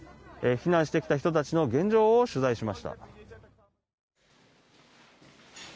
避難してきた人たちの現状を取材しました。